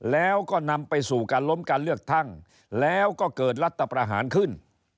แล้วก็นำไปสู่การล้มการเลือกตั้งแล้วก็เกิดรัฐประหารขึ้น